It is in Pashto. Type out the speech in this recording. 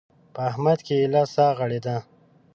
په احمد کې ايله سا غړېده.